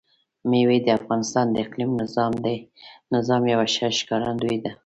مېوې د افغانستان د اقلیمي نظام یوه ښه ښکارندوی ده.